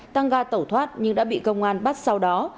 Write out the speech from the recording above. tăng ga tẩu thoát nhưng đã bị công an bắt sau đó